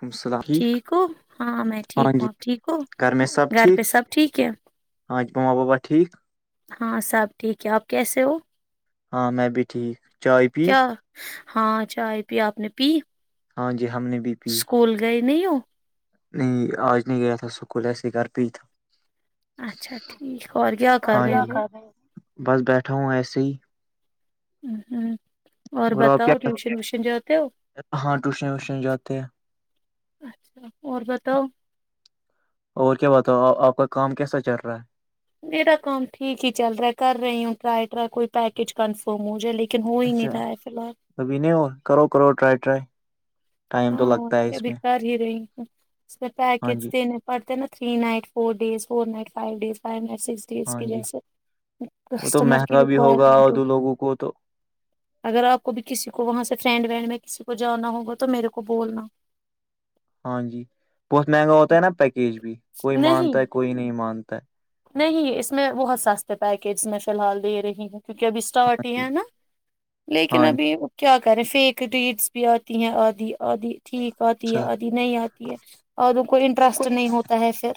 وعلیکم السلام ٹھیک ہو ہاں میں ٹھیک ہاں جی ہوں ا ٹھیک ہ گھر میں سب گھر پہ سب ٹھیک ہے ہاں جی ماں بابا ٹھیک ہاں سب ٹھیک ہے آپ کیسے ہو ہاں میں بھی ٹھیک چائے پی کیا ہاں چائے پی آپ نے پی ہاں جی ج ہم نے بھی پی نہیںو نہیں آج نہیں گیا تھا سکول ایسے ہی گھر پہ ہی تھا اچھا ٹھیک اور کیا کر ہاں رہے ہو جی بس بیٹھا ہوں ایسے ہی ہوں اور آپ کیا ہو کرتے ہاں ٹوشن ووشن جاتے ہیں اچھا اور بتاؤ اور کیا بتاؤ آپ کا کام کیسا چل رہا ہے میرا کام ٹھیک ہی چل رہا ہے کر رہی ہوں ٹرائی ر کوئی پیکج کنفر اچھا ابھی نہیں اور کرو کرو ٹرائی ٹرائی ٹائم تو لگتا ہے اس میں ای اس ہاں پیکج جی دینے پڑتے نا three night four days four night five days five night six days ہاں کی جی جیسے وہ تو کسٹمر کی مہنگا بھی ہوگا ریکوائرمنٹ اور ہو دو لوگوں کو تو اگر آپ کوبھی کسی کو وہاں سے فرینڈ میں کسی کو جانا ہوگا تو میرے کو کو بولنا ہاں جی بہت مہنگا ہوتا ہے نا پیکیج بھی کوئی نہیں مانتا ہے کوئی نہیں مانتا مانتا نہیں اس میں بہت سستے پیکیج میں فی الحال دے رہی ہیں کیونکہ ابھی ہاں اسٹاٹی جی ہے نا لیکن ہاں ابھی وہ کیا کریں فیک ڈیڈس بھی آتی ہیں آدی آدی ٹھیک آتی ہے اچھا آتی نہیں آتی ہے اوروں کو انٹرسٹ نہیں ہوتا ہے پھر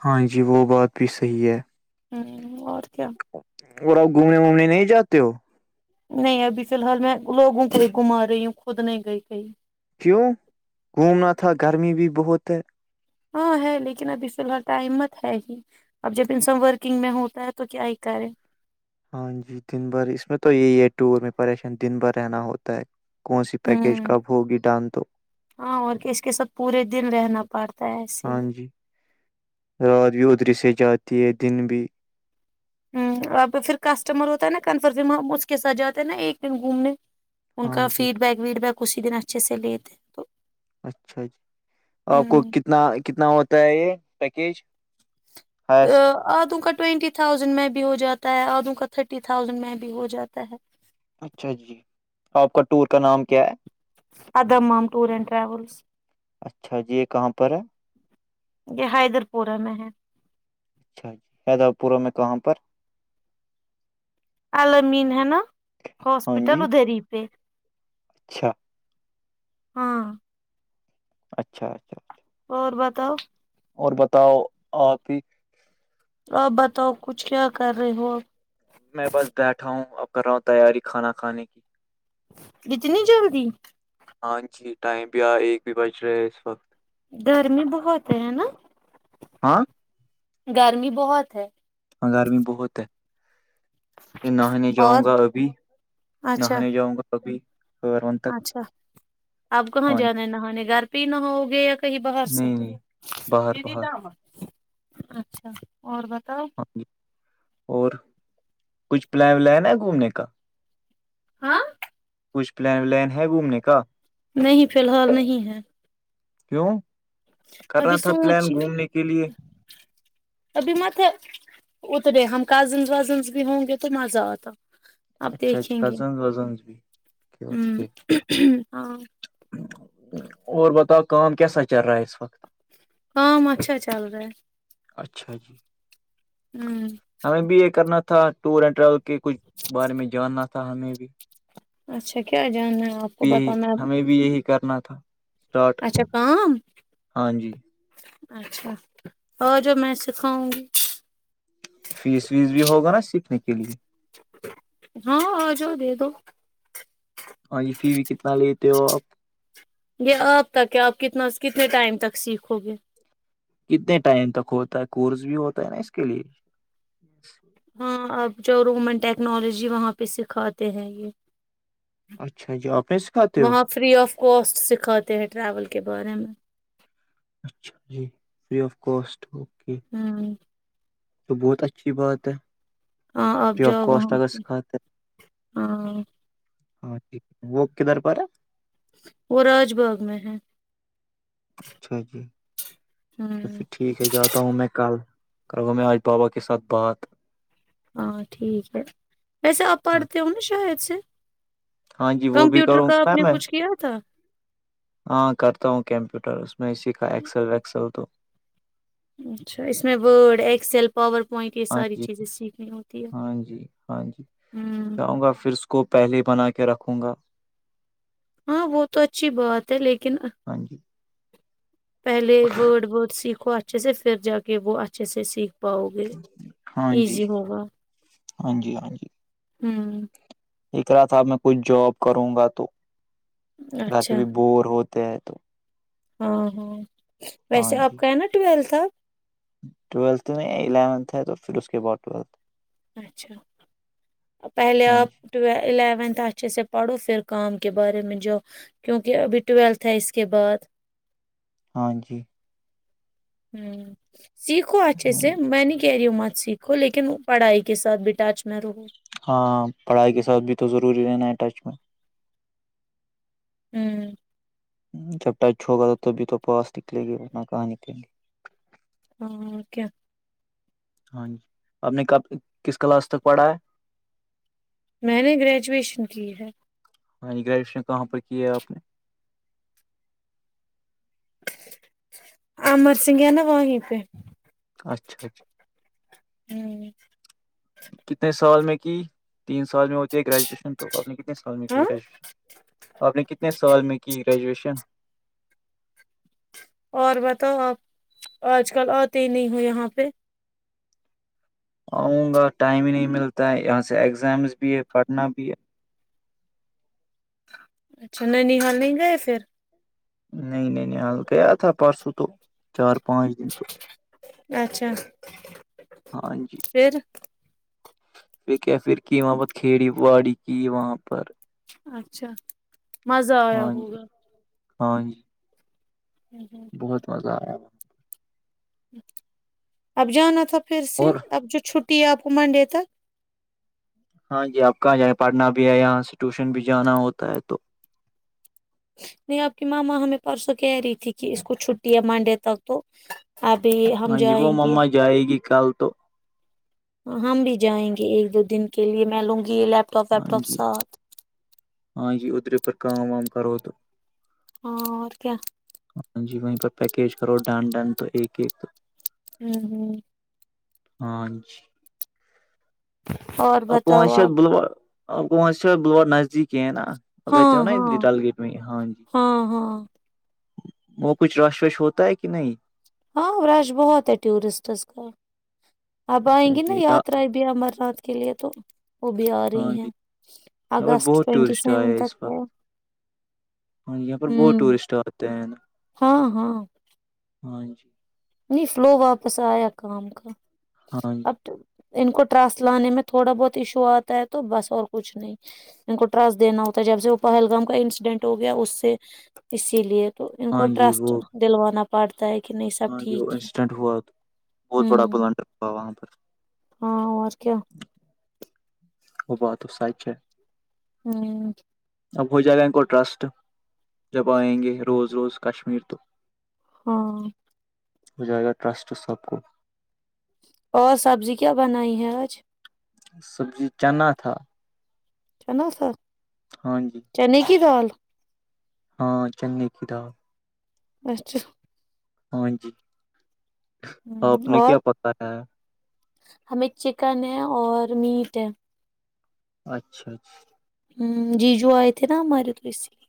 ہاں جی وہ بات بھی صحی ہے ہوں اور کیا اور اپ گھومنے وومنے نہیں جاتے ہو نہیں ابھی فی الحال میں لوگوں کو ہی گھما رہی ہوں خود نہیں گئی کہئی کیوں گھومنا تھا گرمی بھی بہت ہے ہاں ہے لیکن ابھی فی الحال ٹائم مت ہے ہی اب جب انسان ورکنگ میں ہوتا ہے تو کیا ہی کرے ہاں جی دن بھر اس میں تو یہی ہے ٹور میں پریشان دن بھر رہنا ہوتا ہے کون سی پیکیج ہوں کب ہوگی ڈان تو ہاں اور اس کے ساتھ پورے دن رہنا پڑتا ہے ایسے ہاں ہی جی رات بھی ادھر سے جاتی ہے دن بھی اب پھر کسٹمر ہوتا ہے نا کنفر ہم اس کے ساتھ جاتے ہیں نا ایک دن گھومنے ان ہاں کا جی فیڈ بیک ویڈ بیک اسی دن اچھے سے لیے تھے اچھا جی آپ کو ہوں کتنا کتنا ہوتا ہے یہ پیکیج ہائسٹ آدوں کا ٹوینٹی تھازینڈ میں بھی ہو جاتا ہے آدو کا تھرٹی تھاؤزینڈ میں بھی ہو جاتا ہے اچھا جی آپ کا ٹور کا نام کیا ہے ادمام ٹوور اینڈ ٹروولس اچھا جی یہ کہاں پر ہے یہ حیدر پورہ میں ہے اچھا جی ہیدرا پوروے میں کہاں پر الل مین ہے نا ہاں ہسپٹل جی ادری پہ اچھا ہاں اچھا اچھا اچھا اور بتاؤ اور بتاؤ آپ ہی آپ بتاؤ کچھ کیا کر رہے ہو آپ میں بس بیٹھا ہوں اب کر رہا ہوں تیاری کھانا کھانے کی اتنی جلدی ہاں جی ٹائم بھی آ ایک بھی بج رہے اس وقت گرمی بہت ہے ہے نا ہاں گرمی بہت ہے ہنگار بھی بہت ہے کہ نہانے اور جاؤں گا ابھی اچھا نہانے جاؤں گا ابھی ون تک اچھا آپ کہاں ہاں جانا جی، ہے نہ ہونے گھر پن ہوؤگے کہی باہر نہیں نہیں باہر سےی باہر اچھا اور بس ہاں جی اور کچھ پلان ولین ہے گھومنے کا ہاں کچھ پل ولین ہے گھومنے کا نہیں فی الحال نہیں ہے کیوں کرنا ابھی تھا پلان سوچ گھومنے کے لیے ابھی مت اترے ہم کزن وزنس بھی ہوں گے تو مزہ آتا آپ اچھا اچھا دیکھیں گے کزن وزن بھی ہوں اوکے ہاں اور بتاؤ قوم کیسا چل رہا ہے اس کو کام اچھا چل رہا ہے اچھا جی ہوں ہمیں بی ا کرنا تھا ٹور اینڈ ٹریول کے کچھ بارے میں جاننا تھا ہمیں بھی اچھا کیا جاننا ہے آپ کو یہی بتانا ہمیں بھی یہی کرنا تھا اسٹارٹ اچھا کا ہاں جی اچھا اور جو میں سکھاؤں گی فیس ویس بھی ہوگا نا سیکھنے کی کے لیے ہاں آ جاؤ دے دو ہاں جی فی بھی کتنا ل [unintelligible] تو آپ [unintelligible] یہ آپ تک ہے آپ کتنا کتنے ٹائم تک سیکھو گے کتنے ٹائم تک ہوتا ہے کورس بھی ہوتا ہے نا اس کے لیے ہاں اب جو رومن ٹیکنالوجی وہاں پہ سکھاتے ہیں یہ اچھا جی آپ نے سکھاتے ہو وہاں فری آف کوسٹ سکھاتے ہیں ٹریول کے بارے میں اچھا جی فری آف کوسٹ ہو ہاں تو بہت اچھی بات ہے ہاں آب فری آف جاؤ کاسٹ وہاں اگر پہ سکھاتے ہاں ہاںٹھیک وہ کدھر پر ہے [unintelligible] وہ راج باغ میں ہے اچھا جی تو ہوں پھر ٹھیک ہے جاتا ہوں میں کل کرگوں میں آج بابا کے ساتھ بات ہاں ٹھیک ہے ویسے آپ ہاں پڑھتے ہو نا شاید سے ہاں جی وہ بھی کمپیوٹر کروں کا گا آپ نے نا میں کچھ کیا تھا ہاں کرتا ہوں کمپیوٹر میں ش کاا ایکسل وسل ہو تو [unintelligible] اچھا اس میں Word Excel PowerPoint یہ ہاں ساری جی چیزیں سیکھنی ہوتی ہے ہاں جی ہاں جی ہوں جاؤں گا پھر کو پہلے بنا کے رکھوں گا ہاں وہ تو اچھی بات ہے لیکن ہاں جی پہلے وورڈ بورڈ سیکھ کو اچھے سے پھر جا کے وہ اچھے سے سیکھ پاؤ گے ہاں جی ایزی ہوگا ہاں جی ہاں جی [unintelligible] ہوں ایک رہا تھا میں کچھ جاب کروں گا تو گھر پہ اچھا بھی بور ہو د تو [unintelligible] ہاں ہاں ہاں ویسے آپ جی کا ہے نا ٹویلتھ سب ٹویلتھ میں الیونتھ ہے تو پھر اس کے بعد ٹویلتھ اچھا پہلے ہاں آپ جی الیونتھ السلام علیکم محترم ہاں جی ہوں سیکھواھ اس منی کیری مت سیکھو لیکن پڑھائی کے ساتھ بھی ٹچ میں رہو ہاں پڑھائی کے ساتھ بھی تو ضروری رہنا ہے ٹچ میں ہوں [inaudible] جب ٹائچھو گا تھا تبھی تو پاس نکلے گی ورنہ کہاں نکلیں گی ہو کیا ہاں جی آپ نے کب کس کلاس تک پڑھا ہے میں نے گریجویشن کی ہے ہاں ج گریجویشن کہاں پر کی ہے آپ نے امر سنگھ ہے نا وہیں پہ اچھاجی ہوں کتنے سال میں کی تین سال میں ہوتی ہے گریجویشن تو آپ نے کتنے سال میں کی ہاں گریجویشن آپ نے کتنی کتنے سال میں کی گریجویشن اور بتاؤ آپ آج کل آتے ہی نہیں ہو یہاں پہ آؤں گا ٹائم ہی نہیں ملتا ہے یہاں سے ایگزامس بھی ہے پڑھنا بھی ہے اچھا نانی یہاں نہیں گئے فر نہیں نہیں نہیں ہال گیا تھا پرسوں تو چار پانچ دن تو [unintelligible] اچھا ہاں جی پھر پھر کیفر کی وہاں پر کھیڑی باڑی کی وہاں پ اچھا مزہ آیا ہاں جی ہوگا ہاں بہت مزا آیا [unintelligible] اب جانا تھا پھر سے اور اب جو چھ ٹی آپ مونڈے تک [unintelligible] ہاں جی آپ کہاں جائیں پڑھنا بھی ہے یہاں سے ٹیوشن بھی جانا ہوتا ہے تو نہیں آپ کی ماما ہمیں پرسوں کہہ رہی تھی کہ اس کو چھٹی ہے منڈے تک تو ابھی ہم ہاں جی وہ جائیں گے مما جائے گی کال تو ہاں ہم بھی جائیں گے ایک دو دن کے لیے میں لوں گی یہ ل ہاں جی ہاں جی ادھر پر کام وام کرو تو ہاں اور کیا ہاں جی وہیں پیکیج کرو ڈن ڈن تو ایک ایک ہوں ہاں جی اور [unintelligible] ا بتاؤ آپ کووس سےا بور نزدیک ہے نا آپ ہاں رہتے ہو نا ہاں ادھر ڈال گیٹ میں ہی۔ جی ہاں ہاں وہ کچھ رش وش ہوتا ہے کہ نہیں ہاں رش بہت ہے ٹورسٹس کا اب آئیں اچھا گی نا جی یاترا بھی امر ناتھ کے لیے تو وہ بھی آ ہاں رہی جی ہیں یہاں پر اگست بہت ٹوینٹی ٹورسٹ آئے سیون ہیں اس تک ہے وقت ہاں جی یہاں پر بہت ہ ٹورسٹ آتے ہیں نا۔ ہاں ہاں ہاں جی [unintelligible] نہیں فلو واپس آیا کام کا ہاں جی [unintelligible] اب ان کو ٹرسٹ لانے میں تھوڑا بہت ایشو آتا ہے تو بس اور کچھ نہیں ان کو ٹرسٹ دینا ہوتا ہے جب سے وہ پہلگام کا انسیڈینٹ ہو گیا اس سے اسی لیے [unintelligible] تو ان کو ہاں جی ٹرسٹ وہ دلوانا [unintelligible] پڑھتا ہے کہ نہیں [unintelligible] ہاں یہ ٹھیک ہے ایکسیڈنٹ ہوا تو بہت بڑا ہوں پلانٹر ہوا وہاں پر [unintelligible] ہاں اور کیا ا ب تو سچ ہے [unintelligible] ہوں اب ہو جائے گا ان کو ٹرسٹ جب آئیں گے روز روز کشمیر تو ہاں [unintelligible] ہو جائے گا ٹرسٹ سب کو اور سبزی کیا بنائی ہے آج سبزی چنا تھا چنا سر ہاں جی [unintelligible] چنے کی دال [unintelligible] ہاں چئی کتاب اچھا [unintelligible] ہ جی [unintelligible] آپ نے اور کیا پتا ہے [unintelligible] ہمیں چکن ہے اور میٹ ہے اچھا اچھا [unintelligible] ہ جیجو آئے تھے نا ہمارے [unintelligible] ہ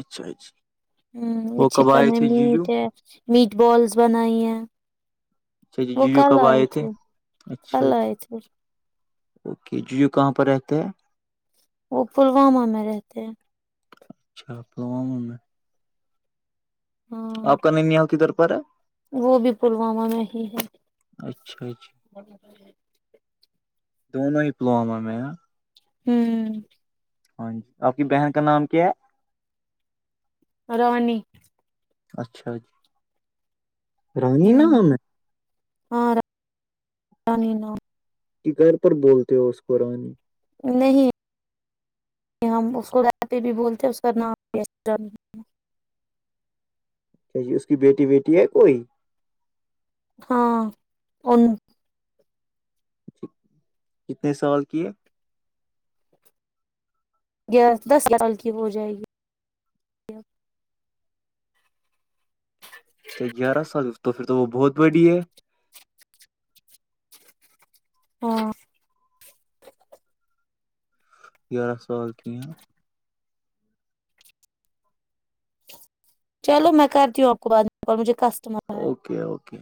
اچھا اچھا وہ کب چکن آئے ہے تھے جیجو میٹ ہے م [unintelligible] فٹ بالس بنائی ہیں [unintelligible] اچھا جی جیو کب آئے تھے اچھا کل جی آئے تھے اوکے جیو کہاں پر ہے تو [unintelligible] وہ پلوامہ میں رہتے ہیں اچھااموں میں [unintelligible] ہاں آپ کا نیا کدھر پر [unintelligible] وہ بھی پلوامہ میں ہی ہے اچھا اچھا دونوں ہی پلواما میں [unintelligible] ہوں ہاں جی آپ کی بہن کا نام کیا ہے رانی اچھا جی [unintelligible] رانی ن نے ہاںانی نام کہ گھر پر بولتے ہو اس کو رانی نہیں ہم اس کو لتے بھی بولتے ہیں اس کا نام کہ ج اس کی بیٹی بیٹی ہے کوئی ہاں ا کتنے سال کیے گیارہ دس ہزار سال کی ہو جائے گی چ گیارہ سال تو پھر تو وہ بہت بڑی ہے [inaudible] یارہ سال کی چلو میں کرتی ہوں آپ کو بعد مجھے ک اوکے اوکے